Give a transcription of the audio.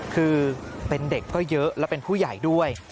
คือเป็นเด็กก็เยอะและเป็นผู้ใหญ่ด้วย